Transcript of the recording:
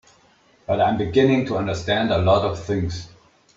But I'm beginning to understand a lot of things.